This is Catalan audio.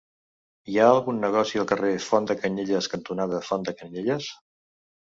Hi ha algun negoci al carrer Font de Canyelles cantonada Font de Canyelles?